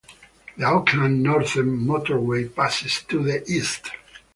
The Auckland Northern Motorway passes to the east.